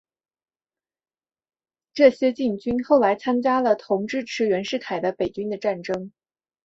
这些黔军后来参加了同支持袁世凯的北军的战争。